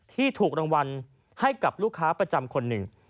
ถูกรางวัลให้กับลูกค้าประจำคนหนึ่ง